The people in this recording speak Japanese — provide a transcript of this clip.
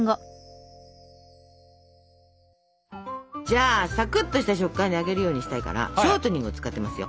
じゃあサクッとした食感で揚げるようにしたいからショートニングを使ってますよ。